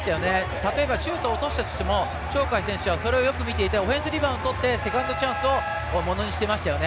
たとえばシュートを落としても鳥海選手はそれをよく見ていてオフェンスリバウンドをとってセカンドチャンスをものにしていましたよね。